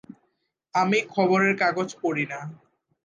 আমি খবরের কাগজ পড়ি না।